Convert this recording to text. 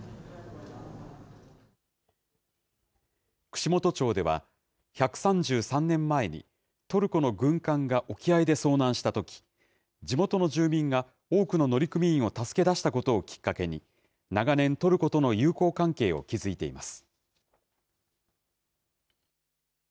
串本町では、１３３年前にトルコの軍艦が沖合で遭難したとき、地元の住民が多くの乗組員を助け出したことをきっかけに、長年、トルコとの友好関係を築いています。